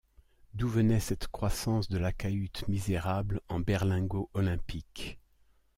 D’où venait cette croissance de la cahute misérable en berlingot olympique?